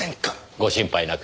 ご心配なく。